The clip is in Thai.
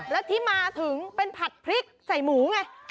แล้วที่มาถึงเป็นผัดพริกใส่หมูไง